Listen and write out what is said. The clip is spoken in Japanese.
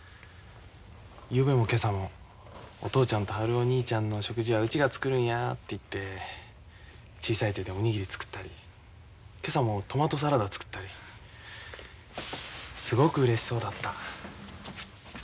ゆうべも今朝もお父ちゃんと春男にいちゃんの食事はうちが作るんやって言って小さい手でお握り作ったり今朝もトマトサラダ作ったりすごくうれしそうだった。